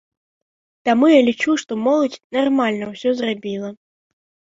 Таму я лічу, што моладзь нармальна ўсё зрабіла.